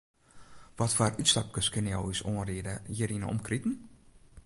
Watfoar útstapkes kinne jo ús oanriede hjir yn 'e omkriten?